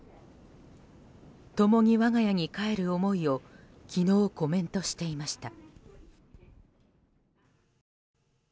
共に我が家に帰る思いを昨日、コメントしていました。